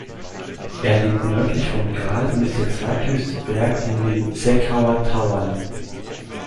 Er liegt nördlich von Gaal und ist der zweithöchste Berg in den Seckauer Tauern.